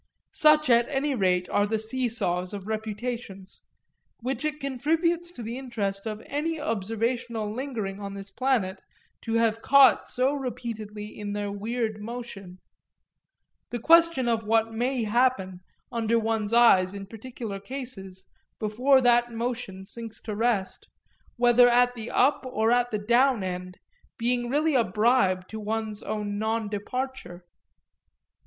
Such at any rate are the see saws of reputations which it contributes to the interest of any observational lingering on this planet to have caught so repeatedly in their weird motion; the question of what may happen, under one's eyes, in particular cases, before that motion sinks to rest, whether at the up or at the down end, being really a bribe to one's own non departure.